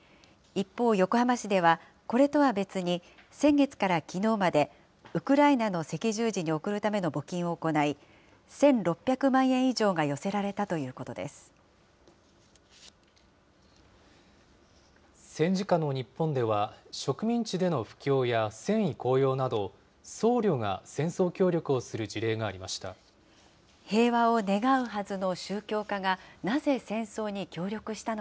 一方、横浜市では、これとは別に先月からきのうまで、ウクライナの赤十字に送るための募金を行い、１６００万円以上が戦時下の日本では、植民地での布教や戦意高揚など、僧侶が戦争協力をする事例がありました。